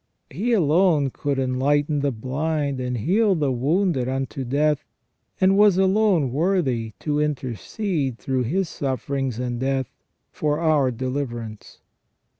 He alone could enlighten the blind and heal the wounded unto death, and was alone worthy to intercede through His sufferings and death for our deliverance.